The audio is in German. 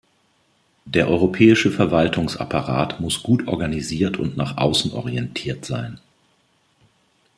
Der europäische Verwaltungsapparat muss gut organisiert und nach außen orientiert sein.